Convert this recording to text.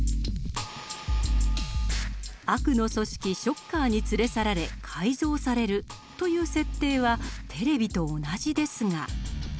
悪の組織ショッカーに連れ去られ改造されるという設定はテレビと同じですが。